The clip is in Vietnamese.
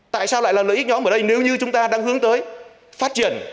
tại sao lại là lợi ích nhóm ở đây nếu như chúng ta đang hướng tới phát triển